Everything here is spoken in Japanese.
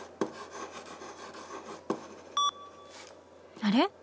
あれ？